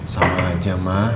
sama aja mah